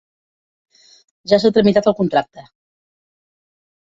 Ja s'ha tramitat el contracte.